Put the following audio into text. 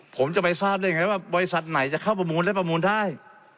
ผมจะไปทราบได้ไงว่าบริษัทไหนจะเข้าประมูลและประมูลได้